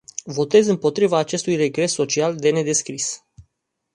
Votez împotriva acestui regres social de nedescris.